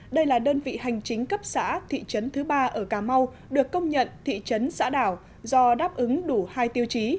đây là đơn vị hành chính cấp xã thị trấn thứ ba ở cà mau được công nhận thị trấn xã đảo do đáp ứng đủ hai tiêu chí